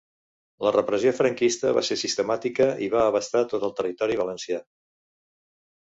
La repressió franquista va ser sistemàtica i va abastar tot el territori valencià.